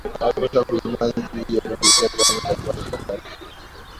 hayakutosha kuiinua nchi hiyo kufikia kiwango cha kipato cha kati